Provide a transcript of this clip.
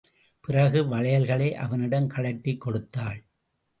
பிறகு வளையல்களை அவனிடம் கழற்றி கொடுத்தாள்.